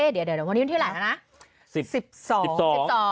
เดี๋ยววันนี้วันที่ไรแล้วนะ